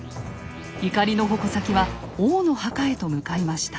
怒りの矛先は王の墓へと向かいました。